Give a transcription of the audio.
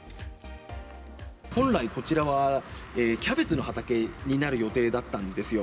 本来、こちらはキャベツの畑になる予定だったんですよ。